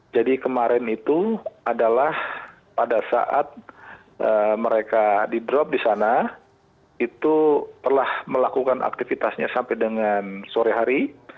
jadi kemarin itu adalah pada saat mereka di drop di sana itu telah melakukan aktivitasnya sampai dengan sore hari